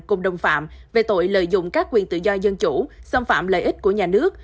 cùng đồng phạm về tội lợi dụng các quyền tự do dân chủ xâm phạm lợi ích của nhà nước